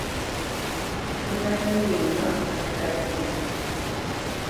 A má nə́ mbe ŋgâʼ á kát mbî.